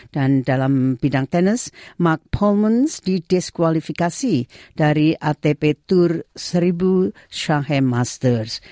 dan dalam bidang tenis mark polman didiskualifikasi dari atp tour seribu shanghai masters